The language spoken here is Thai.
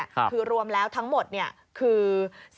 คือรวมแล้วทั้งหมดคือ